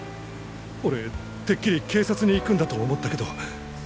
俺てっきり警察に行くんだと思ったけど。